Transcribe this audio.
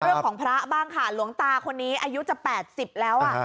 เรื่องของพระบ้างค่ะหลวงตาคนนี้อายุจะ๘๐แล้วอะ